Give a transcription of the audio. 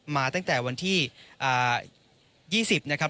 มาตั้งแต่วันที่๒๐นะครับ